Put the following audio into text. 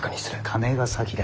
金が先だ。